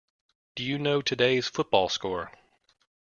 Do you know today's football score?